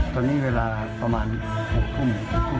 ตอนนี้เวลาประมาณ๖ทุ่ม๒๕นาที